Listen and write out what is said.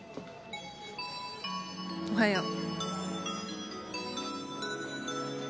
おはよう。